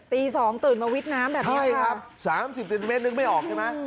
ตีสองตื่นมาวิดน้ำแบบนี้ครับใช่ครับสามสิบติมติเมตรนึกไม่ออกใช่ไหม